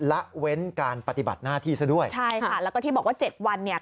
ละเว้นการปฏิบัติหน้าที่ซะด้วยใช่ค่ะแล้วก็ที่บอกว่าเจ็ดวันเนี่ย